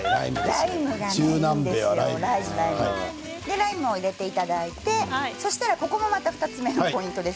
ライムを入れていただいてここもまた２つ目のポイントです。